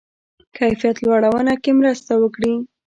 کیفیت لوړونه کې مرسته وکړي.